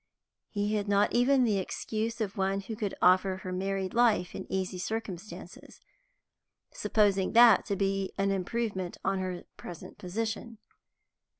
He had not even the excuse of one who could offer her married life in easy circumstances, supposing that to be an improvement on her present position.